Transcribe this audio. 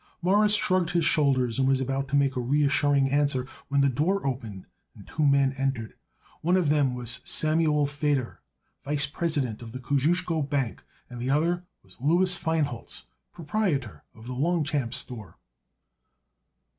Morris shrugged his shoulders and was about to make a reassuring answer when the door opened and two men entered. One of them was Samuel Feder, vice president of the Kosciusko Bank, and the other was Louis Feinholz, proprietor of the Longchamps Store.